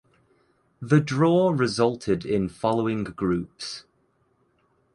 The draw resulted in following groups.